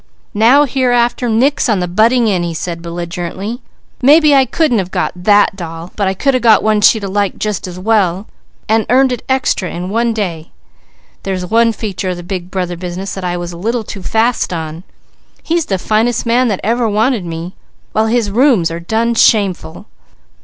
"Now hereafter, nix on the butting in!" he said belligerently. "Mebby I couldn't have got that doll, but I could have got one she'd have liked just as well, and earned it extra, in one day. There's one feature of the Big Brother business that I was a little too fast on. He's the finest man that ever wanted me, while his rooms are done shameful.